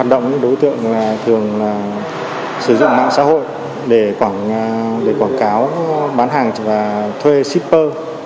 sử dụng mạng xã hội để quảng cáo bán hàng và thuê shipper